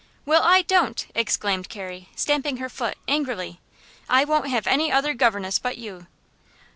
"Well, I don't!" exclaimed Carrie, stamping her foot, angrily. "I won't have any other governess but you."